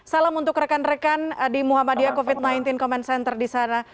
salam untuk rekan rekan di muhammadiyah covid sembilan belas comment center di sana